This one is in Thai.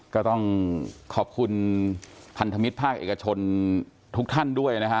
ก็ต้องขอบคุณพันธมิตรภาคเอกชนทุกท่านด้วยนะฮะ